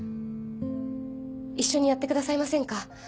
一緒にやってくださいませんか？